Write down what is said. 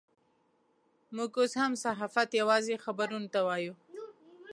موږ اوس هم صحافت یوازې خبرونو ته وایو.